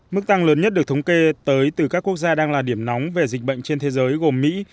mức tăng lớn nhất được thống kê tới từ các quốc gia đang là điểm nóng về dịch bệnh trên thế giới gồm mỹ